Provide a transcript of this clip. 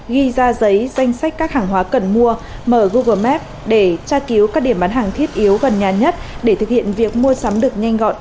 ghi ra giấy danh sách các hàng hóa cần mua mở google maps để tra cứu các điểm bán hàng thiết yếu gần nhà nhất để thực hiện việc mua sắm được nhanh gọn